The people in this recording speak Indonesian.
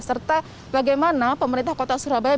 serta bagaimana pemerintah kota surabaya